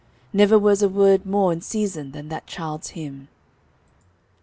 Never was a word more in season than that child's hymn.